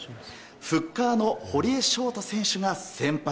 フッカーの堀江翔太選手が先発。